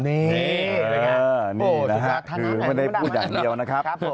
นี่นี่นะฮะคือไม่ได้พูดอย่างเดียวนะครับ